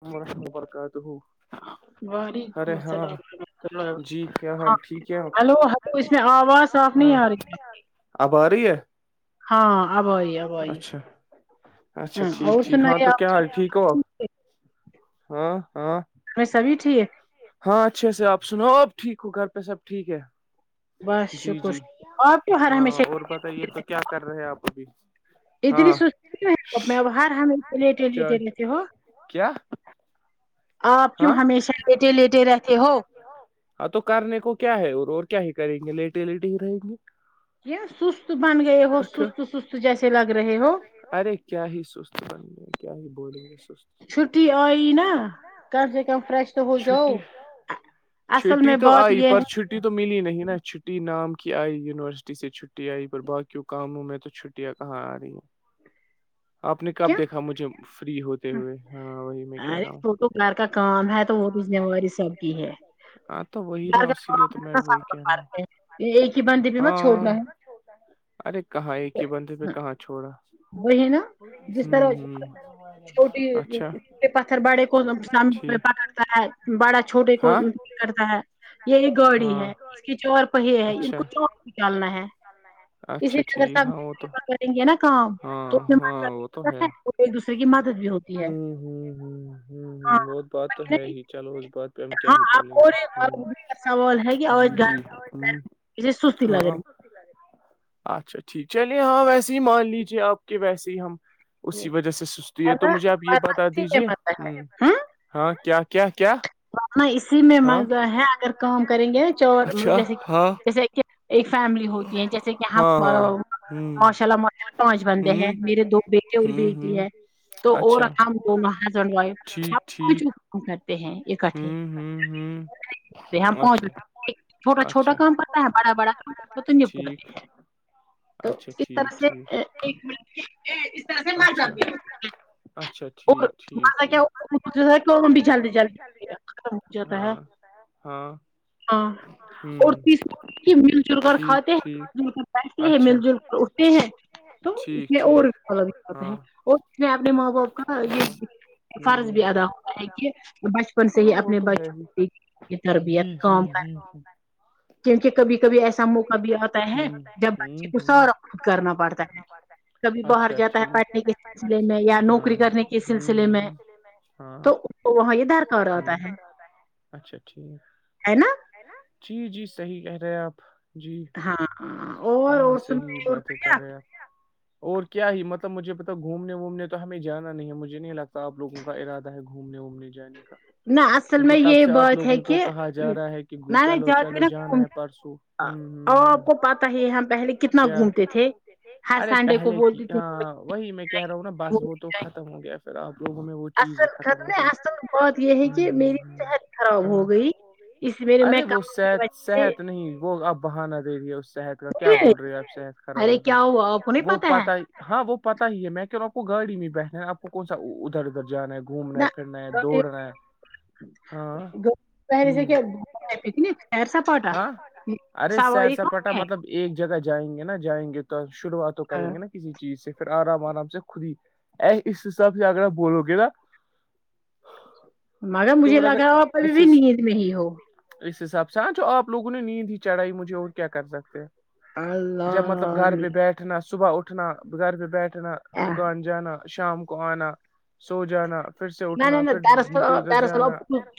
حم وبرکات ارے ہاں جی کیا حال ٹھیک ہلو ہلو اس میں آواز صاف نہیں آ رہی ہے اب آ رہی ہے ہاں ابائی ابائی ہاں اور سنا ہاں ہاں میں سبھی ٹھیک ہاں اچھے سے آپ سنو آپ ٹھیک ہو گھر پہ سب ٹھیک ہے جی جی ہاں اور بتائیے تو کیا کر رہے ہیں آپ ابھی اتنی سستی ہےب اب ہار ہم لیٹے لیٹ رہتے ہو آپ کیوں ہمیشہ لیٹے لیٹے رہتے ہو ہاں تو کرنے کو کیا ہے اور اور کیا ہی کریں گے لیٹے لیٹے ہی رہیں گے سست بن گئے ہو سست سست جیسے لگ رہے ہو ارے کیا ہی سس کیا بنگ ہے چھٹٹی آئ ن [unintelligible] کم سے کم فریش تو ہو جاؤ اصل میں بات یہ ہے چھٹی تو ملی نہیں نا چھٹی نام کی آئی یونیورسٹی سے چھٹی آئی پر باقیوں کاموں میں تو چھٹی چھٹیاں کہاں آ رہی ہیں آپ نے کب دیکھا مجھے فری ہوتے ہوئے ہاں وہی میں کہہ رہا ہوں لڑ کا کام ہے تو وہ تو ذمےواری سب کی ہے لر کا کام سب کا کرتے ایک بند پ میں چھوڑنا ہوں ارے کہاں ایک ہی بندے پ کہاں چھوڑا ہ ہ اچھا پتھر بڑے کو پکڑتا ہے بڑا چھوٹے کو پکڑتا ہے یہ ایک گاڑی ہے اس کے چور پہ ہے ان کو چ نکالنا ہے اسی لیے اگر سب کریں گے نا کام تومتا ہے اور ایک دوسرے کی مدد بھی ہوتی ہے ہاں بات تو ہے ہی چلو اس بات پہ ہم کیا ہی بولیں گے جی جی ہ یہے سوستی لگ رہی اچھا ٹھیک چلیے ہاں ویسے ہی مان لیجیے آپ کے ویسے ہی ہم اسی وجہ سے سستی ہے تو مجھے آپ یہ بتا دیجیے ہ ہاں کیا کیا کیا ن اسی میں مزہ ہے اگر کام کریں گے چ مطلب جیسے جیسے ایک فیملی ہوتی ہے جیسے کہ ہم ماشاء اللہ ماشاءلہ پانچ بندے ہیں میرے دو بھیتی ہے تو اور ہم دو مہ جل وایو ہم کچ کرتے ہیں اکٹھے پہنچ چھوٹا چھوٹا کام کرتا ہے بڑا بڑا کام ٹھیک تو کس طرح سے ایک م اچھا ا کیا بھی جلدی جلدی ہاں ہاں ہوں کہ مل جل کر کھاتے ہیں مل جل کر پیسے ہیں مل جل کر اٹھتے ہیں ٹھیک ٹھیک جاتا ہیں اور اس میں اپنے ماں باپ کا یہ فرض بھی ادا ہوتا ہے کہ بچپن سے ہی اپنے بچوں کو دیک جی جی جی جی کیونکہ کبھی کبھی ایسا موقع بھی آتا ہے جب بچے کو س کرنا پڑتا ہے کبھی باہر پت ہے پٹنے کے سلسلے میں یا نوکری کرنے کے سلسلے میں تو وہاں یہ دار ک رہا ہوتا ہے اچھا ٹھیک جی جی صحی کہہ رہے آپ ہاں ہاں اور اور سن اور بڑھیا اور کیا ہی مطلب مجھے پتا گھومنے وومنے تو ہمیں جانا نہیں ہے مجھے نہیں لگتا آپ لوگوں کو کا ارادہ ہے گھومنے وومنے جانے کا نہ کیونکہ تب سے آپ لوگوں کو کہا جا رہا ہے کہ گچا لو چا لو جانا ہے پرسوں اور آپ کو پتا ہی ہم پہلے کتنا گھومتے تھے ہر سنڈے کو ہاں وہی میں کہہ رہا ہوں نا بس وہ تو ختم ہو گیا پھر آپ لوگوں میں وہ اصل ختم ہے اصل بات یہ ہے کہ میری صحت خراب ہو گئی اس مے میں کام سے تو نہیں وہ آپ بہانا دے رہی ہے اس صحت کا کیا بول رہی آپ صحت خراب ہوگی آ اپنی پات پتا ہاں وہ پتا ہی ہے میں کی آپ کو گاڑی میں بیٹھنا ہے آپ کون سا ادھر ادھر جانا ہے گھومنا پھرنا ہے دوڑنا ہے ہاں ہوں فیر ساپاٹا ساواری ک ہے ایک جگہ جائیں گے نا جائیں گے تو شروعات تو کریں گے نا کسی چیز سے پھر آرام آرام سے خی ای اس حساب سے آگر بولو گے نا ہ مگر مجھے لگ رہا ہے وہ اب بھی نیند نہیں ہو اس حساب سے ہاں جو آپ لوگوں نے نیند ہی چڑھائی مجھے اور کیا کر سکتے ہیں جب مطلب گھر پہ بیٹھنا صبح اٹھنا گھر پہ بیٹھنا دکان جانا شام کو آنا سو جانا نہ دراصل دراصل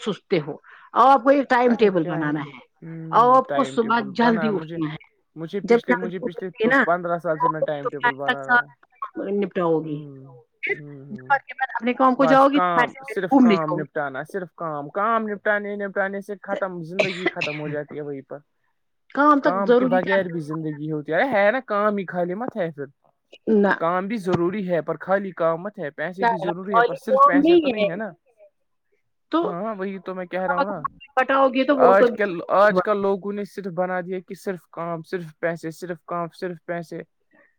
سوستے ہو اور آپ کو ایک ٹائم ٹیبل بنانا ہے ا آپ کو صبح جلدی اٹھنا ہے جب چدے نا تک نپٹاؤ گی دوپہر کے بعد اپنے کام کو جاؤ گی کا صرف کام نپٹانا صرف کام کام نپٹانے نپٹانے سے ختم زندگی ختم ہو جاتی ہے وہیں پر کام کے بغیر بھی زندگی ہوتی ہے اے ہے نا کام ہی خالی مت ہے پھر نہ کام بھی ضروری ہے پر خالی کامت ہے پیسے بھی ضروری ہے پر صرف پیسے تو نہیں ہے نا ہاں وہی تو میں کہہ رہا ہوں نا آج ک آج کل لوگوں نے صرف بنا دیا کہ صرف کام صرف پیسے صرف کام صرف پیسے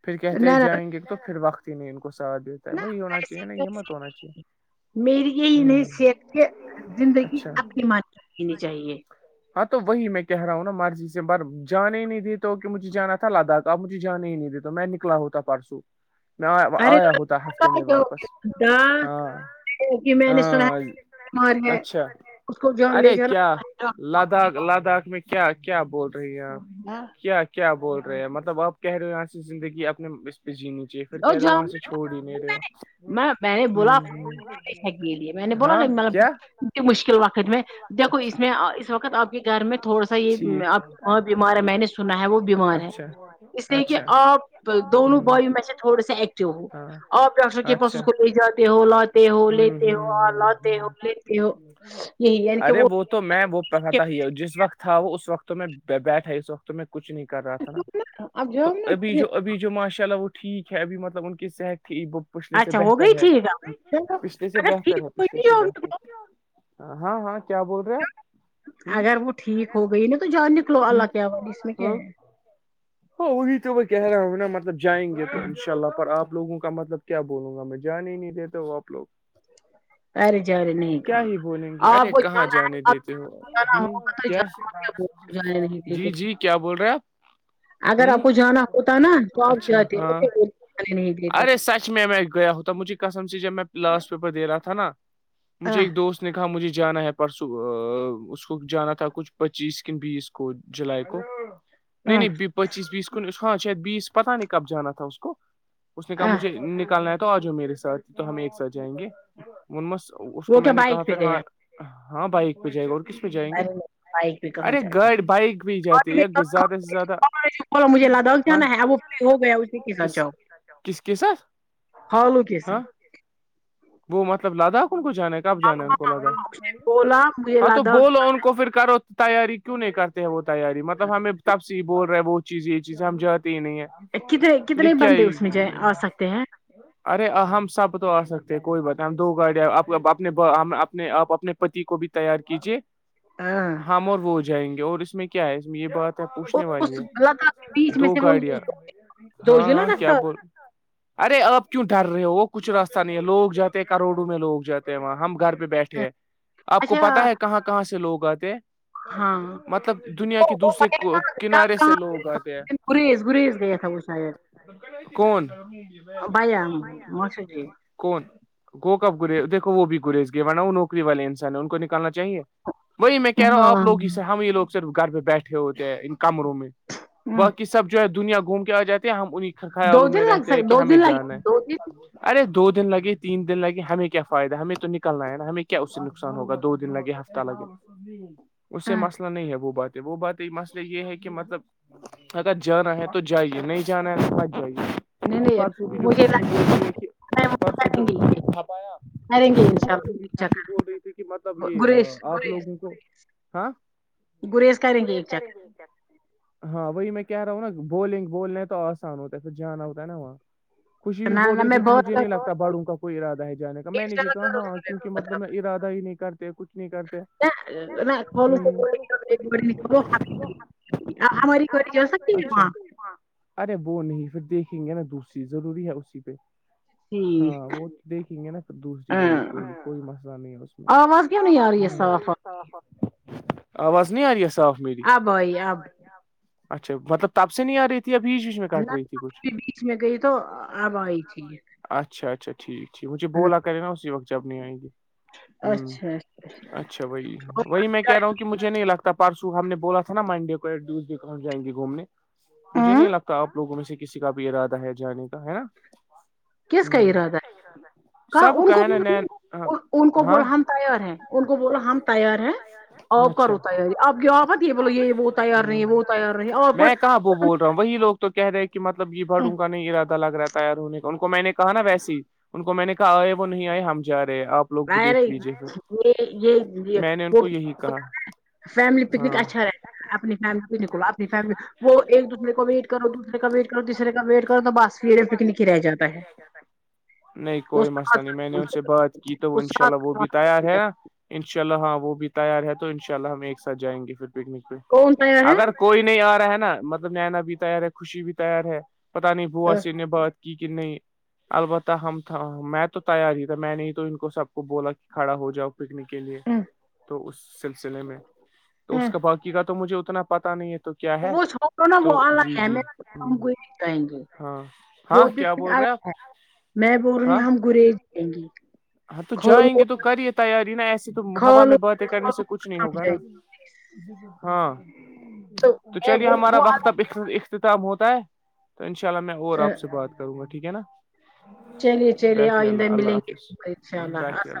پھر کہتے ہیں جائیں گے تو پھر وقت ہی نہیں ان کو ساتھ دیتا ہے بھائی ہونا چاہیے نا یہ مت ہونا چاہیے میری یہی نہیصیت کہ زندگی اپنی ماں جینی چاہیے ہاں تو وہی میں کہہ رہا ہوں نا مرضی سے بار جانے ہی نہیں دیے تو کہ مجھے جانا تھا لداخ آپ مجھے جانے ہی نہیں دیتے تو میں نکلا ہوتا پرسوں آیایا ہوتا ہفتےتے میں واپس ہاں ہاں اچھا ارے کیا لداخ لداخ میں کیا کیا بول رہی ہیں آپ کیا کیا بول رہے ہیں مطلب آپ کہہ رہے ہو یہاں سے زندگی اپنے اس پہ جین ج پھر کہہ رہے ہو وہاں سے چھوڑ ہی نہیں رہے وہ ہ ہاں کیا کے مشکل وقت میں دیکو اس میں اس وقت آپ کے گھر میں تھوڑا سا یہ آپ وہاں بیمار ہے میں نے سنا ہے وہ بیمار ہے اس لیے کہ ا دونوں بوائی میں سے تھوڑے سے ایکٹو ہوں اب ڈاکٹر کے پس اس کو لے جاتے ہو لات ہو لیتے ہو لاتے ہو لیتے ہو جی ہے کہ وہ وہ تو میں وہ پڑ تھا ہی جس وقت تھا وہ اس وقت تو میں بیٹھا اس وقت میں کچھ نہیں کر رہا تھا نا تو ابھی جو ابھی جو ماشاء اللہ وہ ٹھیک ہے ابھی مطلب ان کی صحت ت بت اچھا ہو گئی ٹھیک ہے اگر کوئی ہوگ ہاں ہاں کیا بول رہے آپ اگر وہ ٹھیک ہو گئی نا تو جان نکلو اللہ کے آواز اس میں کیا ہے وہی تو میں کہہ رہا ہوں ن مطلب جائیں گے تو چل رہا پر آپ لوگوں کا مطلب کیا بولوں گا میں جان ہی نہیں دیتا ہوں آپ لوگ کیا ہی بولیں گے ارے کہاں جانے دیتے ہو ہ کیا جی جی کیا بول رہے آپ ہ اچھا ہاں ارے میں میں گیا ہوتا مجھے کسم سے جب میں لاسٹ پیپر دے رہا تھا نا مجھے ایک دوست اس نے کہا مجھے جانا ہے پرسوں اس کو جانا تھا کچھ پچیس بیس کو جولائی کو نہیں نہیں پچیس بیس کو خاں شاید بیس پتہ نہیں کب جانا تھا اس کو اس نے کہا مجھے نکالنا ہے تو آجؤ میرے ساتھ تو ہم ایک ساتھ جائیں گے ممس اس کو میں نے کہا پھر ہاں ہاں بائک پہ جائے گا اور کس جائیں گے ارے گاڑ بائک بھی ہی جاتی زیادہ سے زیادہ اور مجھے لداخ جانا ہے وہ فری ہو گیا اسی کے ساؤ کس کسا خالو کے ساتھ وہ مطلب لداخ ان کو جانے کب جانا ہے ان کو لگا ہاں تو بولو ان کو پھر کرو تیاری کیوں نہیں کر وہ تیاری مطلب ہمیں تب سے ہی بول رہے ہیں وہ چیز یہ چیز ہم جاتے ہی نہیں ہیں یہ کیا ہی ارے ا ہم سب تو آ سکتے کوئی بات نہیں ہم دو گاڑیا اپنے اپنے آ اپنے پتی کو بھی تیار کیجے ہم اور وہ ہو جائیں گے اور اس میں کیا ہے یہ بات پوچھنے والی ہے دو گاڑیاں ہاں ہاں کیا بول ارے آپ کیوں ڈر رہے ہو وہ کچ راستہ لوگ جاتے ہیں کروڑوں میں لوگ جاتے ہیں وہاں ہم گھر پہ بیٹھے ہیں آپ کو پتا ہے کہاں کا کہاں سے لوگ آتے ہیں ہاں وہاںاں کہاں گیا تھا گریز گریز گیا تھا وہ شاید کون کون وہ کب گریز دیکھو وہ بھی گریز گے ورنہ وہ نوکری والے انسان ہیں ان کو نکالنا چاہیے وہی میں کہہ رہا ہوں آپ لوگ ہی سے ہم یہ لوگ صرف گھر پہ بیٹھے ہوتے ہیں ان کمروں میں باقی سب جو ہے دنیا گھوم کے آ جاتے ہیں ہم انہیں کے خیالوں میں رہتے ہے کہ ہمیں جانا ہے ارے دو دن لگے تین دن لگے ہمیں کیا فائدہ ہمیں تو نکلنا ہے نا ہمیں کیا اس سے نقصان ہوگا دو دن لگے ہفتہ لگے اس سے مسئلہ نہیں ہے وہ بات ہے وہ بات ہے مسئلہ یہ ہے کہ مطلب اگر جانا ہے تو جائیے نہیں جانا ہے تو بد جائیے [inaudible] پرسھا پایا پرس کی شانی بی [unintelligible] مطلب یہ آپ لوگوں کو ہاں کریں ٹھیک ہے ہاں وہی میں کہہ رہا ہوں نا بولنگ بولنے تو آسان ہوتا ہے پھر جانا ہوتا ہے نا وہاں خوشی بھی ہو رہی تھی مجھے نہیں لگتا باڑوں کا کوئی ارادہ ہے جانے کا میں نے بھی کہا ہاں کیونکہ مطلب میں ارادہ ہی نہیں کرتا کچ نہیں کر نہ نہ گلوپ خ ہماری گڑی جا سکتی ہے وہاں ارے وہ نہیں پھر دیکھیں گے نا دوسری ضروری ہے اسی پہ ہاں وہ دیکھیں گے نا پھر دوسری والی کوئی کوئی مسئلہ نہیں ہے اس میں آواز گی ن نہ یار یہ صاف آباز آواز نہیں آ رہی ہے صاف آبھائی آب اچھا مطلب تب سے نہیں آ رہی تھی یا بھیش اس میں کاٹ رہی تھی کچھ اس میں گئی تو اب آئی تھی یہ اچھا اچھا ٹھیک ٹھیک مجھے بولا کرے نا اسی وق جب نہیں آیں گی ہ اچھا وہی وہی میں کہہ رہا ہوں کہ مجھے نہیں لگتا پارسو ہم نے بولا تھا نا مائڈے کو جائیں گے گھومنے مجھے نہیں لگتا آپ لوگوں میں سے کسی کا بھی ارادہ ہے جانے کا ہے نا کیس کائی رہاادا کہ ان کو ب ان کو بولا ہم تیار ہیں ان کو بولا ہم تیار ہیں اور کرو تیاری آپ کی آقت یہ بولو یہ وہ تیار نہیں ہے وہ تیار نہیں اور وہ بول رہا ہوں وہی لگ تو کہہ رہے کہ مطلب یہ بڑوں کا نہیں ارادہ لگ رہا تیار ہونے کا ان کو میں نے کہا نا ویسے ان کو میں نے کہا آئے وہ نہیں آئے ہم جا رہے آپ رے یہ یہ وہ فیملی پکنک اچھا رہتا ہے اپنی فیملی پک اپنی فیملی وہ ایک دوسرے کو ویٹ کرو دوسرے کا ویٹ کرو تیسرے کا ویٹ کرو تو بس پ پکنک ہی رہ جاتا نہیں کوئی مسئلہ نہیں میں نے ان سے بات کی تو وہ ان شاء اللہ وہ بھی تیار ہے نا ان شاء اللہ ہاں وہ بھی تیار ہے تو ان شاء اللہ ہم ایک ساتھ جائیں گے پھر پکنک پہ اگر کوئی نہیں آ رہا ہے نا مطلب نناا بھی تیار ہے خوشی بھی تیار ہے پتا نہیں بوا سے بات کی کنے البتہ ہم تھا میں تو تیار ہی تھا میں نے ہی تو ان کو سب کو بولا کہ کھڑا ہو جاؤ پکنک کے لیے تو اس سلسلے میں تو اس کا باقی کا تو مجھے اتنا پتا نہیں ہے تو کیا ہے تو جی جی ہ ہاں ہاں کیا بول رہے آپ ہاں ہاں تو جائیں گے تو کرے تیاری نا ایسے تو ہوا میں باتیں کرنے سے کچھ نہیں ہوگا نا ہاں تو چلیے ہمارا وقتب اختتام ہوتا ہے تو ان شاء اللہ میں اور آپ سے بات کروں گا ٹھیک ہے نا چلیے چلیے آئندہ ملیں گے ان شاء اللہسا